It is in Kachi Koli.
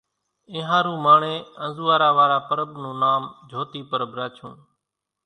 اينۿارُو ماڻۿين انزوئارا وارا پرٻ نون نام جھوتي پرٻ راڇون